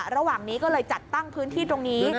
ระหว่างนี้ก็เลยจัดตั้งพื้นที่ตรงนี้